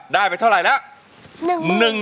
ได้ไปเท่าไหร่แล้ว